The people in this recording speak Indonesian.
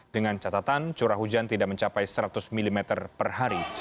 dengan catatan curah hujan tidak mencapai seratus mm per hari